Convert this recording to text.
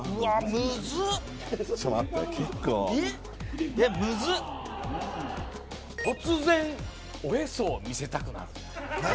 ムズっ「突然おへそを見せたくなる」